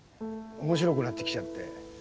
面白くなってきちゃって。